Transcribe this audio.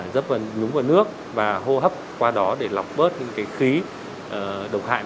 dấp nhúng vào nước và hô hấp qua đó để lọc bớt những khí độc hại